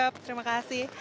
siap terima kasih